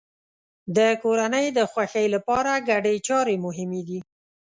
د کورنۍ د خوښۍ لپاره ګډې چارې مهمې دي.